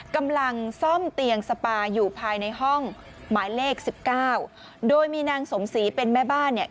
กำลังซ่อมเตียงสปาอยู่ภายในห้องหมายเลขสิบเก้าโดยมีนางสมศรีเป็นแม่บ้านเนี่ย